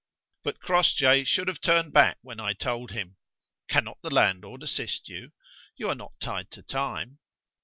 But Crossjay should have turned back when I told him. Cannot the landlord assist you? You are not tied to time.